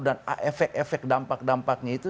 dan efek efek dampak dampaknya itu